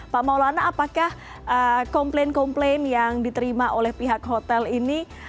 pak maulana apakah komplain komplain yang diterima oleh pihak hotel ini